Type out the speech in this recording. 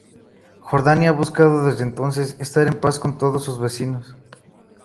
Jordania ha buscado desde entonces estar en paz con todos sus vecinos.